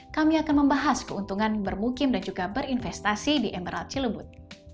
kami akan membahas keuntungan bermukim dan juga berinvestasi di emerald cilebut